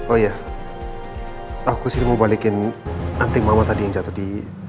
oh iya aku sih mau balikin anti mama tadi yang jatuh di